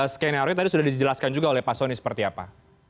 skenario tadi sudah dijelaskan juga oleh pak soni seperti apa